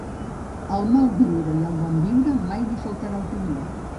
Al mal viure i al bon viure, mai li faltarà opinió.